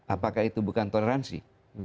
apakah itu bukan toleransi